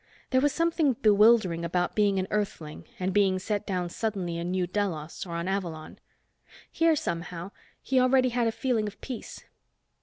There was something bewildering about being an Earthling and being set down suddenly in New Delos or on Avalon. Here, somehow, he already had a feeling of peace.